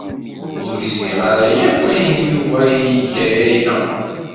Ur gziɣ ara akk ayen Yuba i iga aya.